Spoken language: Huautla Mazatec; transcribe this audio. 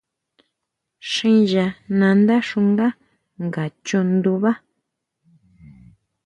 Xiya nandá xungá nga chu ndunbá.